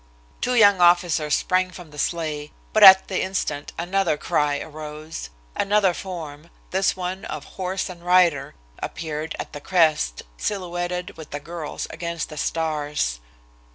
Two young officers sprang from the sleigh, but at the instant another cry arose. Another form, this one of horse and rider, appeared at the crest, silhouetted with the girl's against the stars.